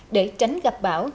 để tránh gặp bão